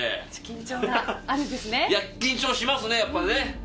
緊張しますね、やっぱね。